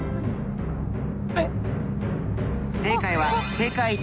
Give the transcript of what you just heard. えっ！